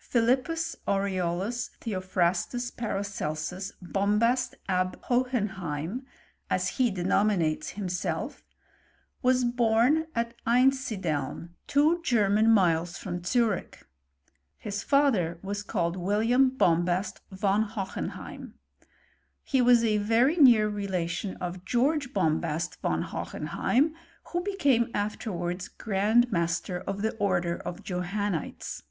Philippus Aureolus Theophrastus Paracelsus Bom hast ab Hohenheim (as he denominates himself) was hora at Einsideln, two German miles from Zurich. Higfether was called William Bombast von Hohenheim. He was a very near relation of George Bombast von Hohenheim, who became afterwards grand master of the order of Johannites.